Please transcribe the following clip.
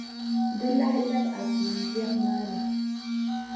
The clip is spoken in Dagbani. Di lahi labi a tummbiɛri maa ni.